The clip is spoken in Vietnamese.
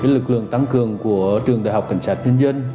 lực lượng tấm gương của trường đại học cảnh sát nhân dân